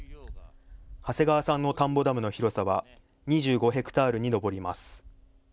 長谷川さんの田んぼダムの広さは２５ヘクタールに上ります。